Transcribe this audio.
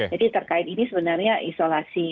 jadi terkait ini sebenarnya